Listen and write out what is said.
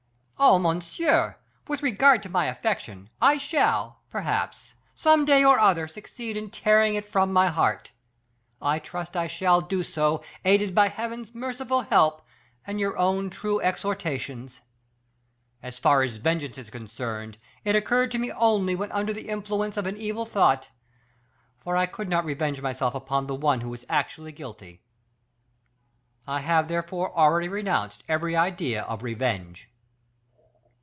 "Oh, monsieur, with regard to my affection, I shall, perhaps, some day or other, succeed in tearing it from my heart; I trust I shall do so, aided by Heaven's merciful help, and your own wise exhortations. As far as vengeance is concerned, it occurred to me only when under the influence of an evil thought, for I could not revenge myself upon the one who is actually guilty; I have, therefore, already renounced every idea of revenge."